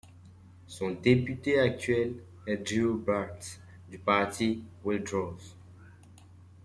Son député actuel est Drew Barnes du Parti Wildrose.